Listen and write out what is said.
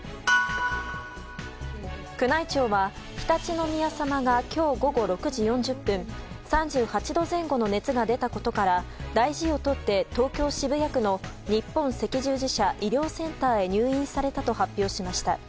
宮内庁は常陸宮さまが今日午後６時４０分３８度前後の熱が出たことから大事をとって、東京・渋谷区の日本赤十字社医療センターへ入院されたと発表しました。